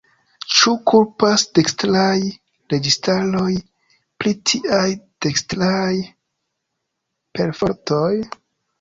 Ĉu kulpas dekstraj registaroj pri tiaj dekstraj perfortoj?